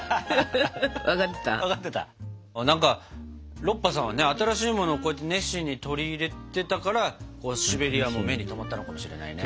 何かロッパさんは新しいものをこうやって熱心に取り入れてたからシベリアも目にとまったのかもしれないね。